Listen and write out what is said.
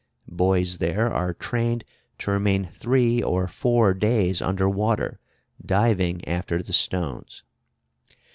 Boys there are trained to remain three or four days under water, diving after the stones.